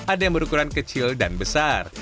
ada yang berukuran kecil dan besar